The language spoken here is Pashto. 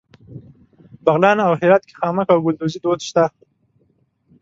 بغلان او هرات کې خامک او ګلدوزي دود شته.